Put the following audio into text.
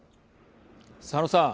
佐野さん。